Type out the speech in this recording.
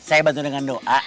saya bantu dengan doa